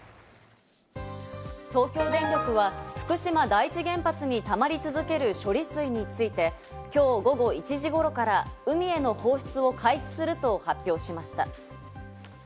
東京電力は福島第一原発にたまり続ける処理水について、きょう午後１時ごろから海への放出を開始すると発表しました。